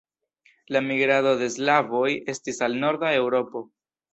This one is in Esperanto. La migrado de slavoj estis al norda Eŭropo.